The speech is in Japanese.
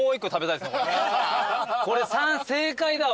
これ３正解だわ。